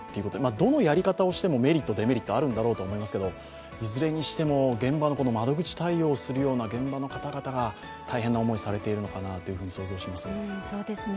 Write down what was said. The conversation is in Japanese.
どのやり方をしてもメリット・デメリットあると思うんですけどいずれにしても窓口対応するような現場の方々が大変な思いをされているのかと想像します。